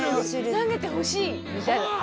投げてほしいみたいな。